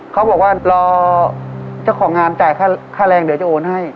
เขาบอกว่ารอเจ้าของงานจ่ายค่าแรงเดี๋ยวจะโอนให้